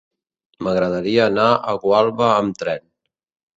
M'agradaria anar a Gualba amb tren.